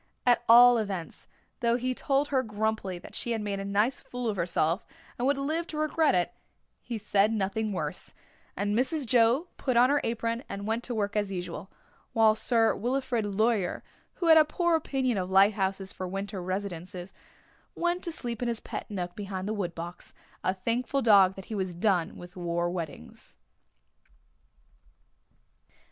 At all events, though he told her grumpily that she had made a nice fool of herself, and would live to regret it, he said nothing worse, and Mrs. Joe put on her apron and went to work as usual, while Sir Wilfrid Laurier, who had a poor opinion of lighthouses for winter residences, went to sleep in his pet nook behind the woodbox, a thankful dog that he was done with war weddings.